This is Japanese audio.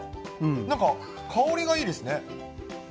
なんか、香りがいいですね。